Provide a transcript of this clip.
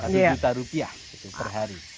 satu juta rupiah per hari